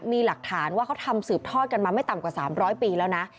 มีหลักฐานว่าเขาทำสืบทอดกันมาไม่ต่ำกว่า๓๐๐ปีแล้วนะ